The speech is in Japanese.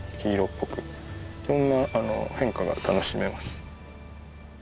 いろんな変化が楽しめます。